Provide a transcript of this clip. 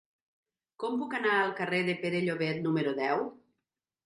Com puc anar al carrer de Pere Llobet número deu?